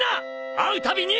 会うたびに！